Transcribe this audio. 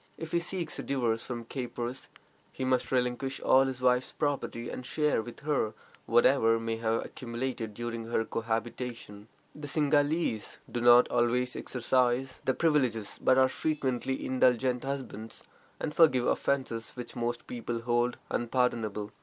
If he seeks a divorce from caprice, he must relinquish all his wife's property, and share with her whatever may have accumulated during their cohabitation. The Singhalese do not always exercise their privileges, but are frequently indulgent husbands, and forgive offenses which most people hold unpardonable.